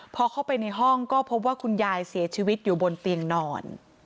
พอเข้าไปในห้องก็พบว่าคุณยายเสียชีวิตอยู่บนเตียงนอน